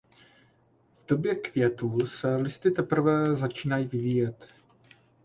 V době květu se listy teprve začínají vyvíjet.